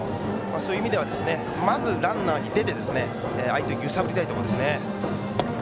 そういう意味ではまず、ランナーに出て相手を揺さぶりたいです。